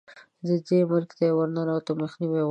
دې ملک ته یې د ورننوتو مخنیوی وشو.